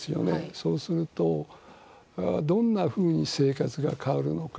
そうすると、どんなふうに生活が変わるのか。